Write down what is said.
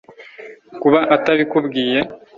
kuba atabikubwiye,